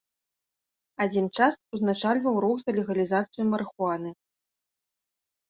Адзін час узначальваў рух за легалізацыю марыхуаны.